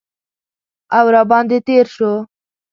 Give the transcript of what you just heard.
او را باندې تیر شو